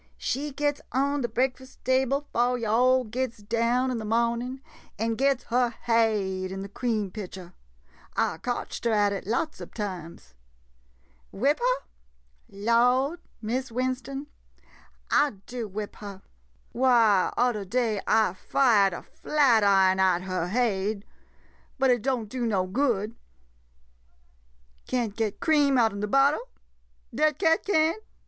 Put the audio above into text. She gits on de breakfust table 'fo' yo' all gits down in de mohnin', and gits her haid in de cream pitcher. I cotched her at it lots ob times. Whip her? Lawd — Miss Win ston — I do whip her. Why, udder day I fired a flatiron at her haid — but it don't do no good. Can't get cream out 'n de bottle ! Dat cat can't?